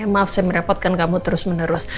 maaf saya merepotkan kamu terus menerus